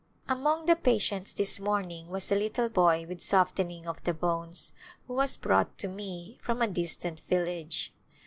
Among the patients this morning was a little boy with softening of the bones who was brought to me from a distant village.